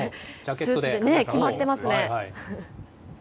スーツ、決まってますね。